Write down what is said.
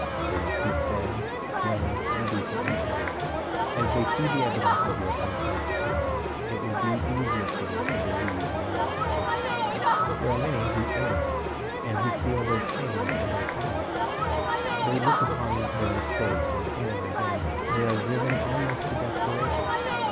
They must be fed, cleansed, and decently clothed. As they see the evidence of your unselfish love, it will be easier for them to believe in the love of Christ. There are many who err, and who feel their shame and their folly They look upon their mistakes and errors until they are driven almost to desperation.